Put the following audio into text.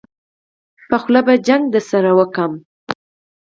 په خوله به جګ درسره وکړم.